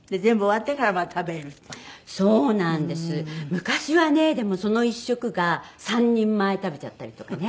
昔はねでもその１食が３人前食べちゃったりとかね。